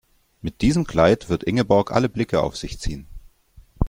Mit diesem Kleid wird Ingeborg alle Blicke auf sich ziehen.